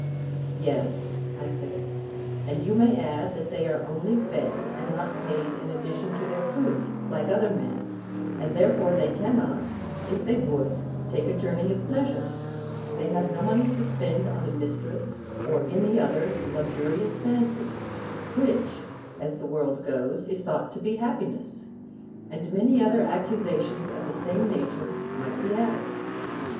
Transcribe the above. Yes, I said; and you may add that they are only fed, and not paid in addition to their food, like other men; and therefore they cannot, if they would, take a journey of pleasure; they have no money to spend on a mistress or any other luxurious fancy, which, as the world goes, is thought to be happiness; and many other accusations of the same nature might be added.